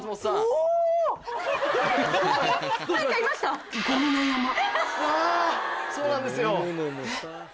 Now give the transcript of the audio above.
あぁそうなんですよ。